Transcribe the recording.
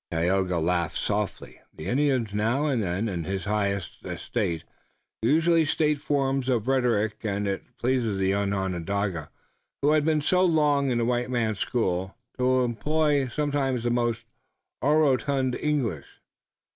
Tayoga laughed softly. The Indian now and then, in his highest estate, used stately forms of rhetoric, and it pleased the young Onondaga, who had been so long in the white man's school, to employ sometimes the most orotund English.